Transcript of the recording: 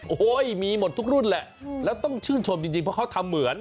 โอ้โหมีหมดทุกรุ่นแหละแล้วต้องชื่นชมจริงเพราะเขาทำเหมือน